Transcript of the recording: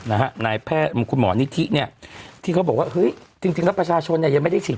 นาภารนายแพทย์คุณหมอนิธิเนี่ยที่เขาบอกว่าจริงแล้วประชาชนยังไม่ได้ฉีด